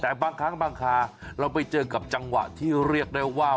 แต่บางครั้งบางคราเราไปเจอกับจังหวะที่เรียกได้ว่า